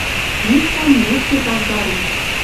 Мишкам нефтет аздарен.